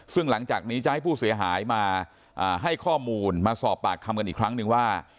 ซึ่งหลังจากนี้จะให้ผู้เสียหายมาให้ข้อมูลมาสอบปากคำกันอีกครั้งนึงว่า